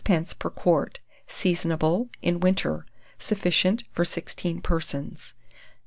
per quart. Seasonable in winter. Sufficient for 16 persons.